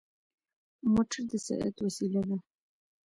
موټر د سرعت وسيله ده.